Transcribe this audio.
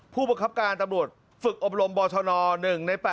ผู้บังคับการตำรวจฝึกอบรมบชน๑ใน๘